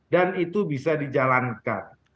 dan itu bisa dijalankan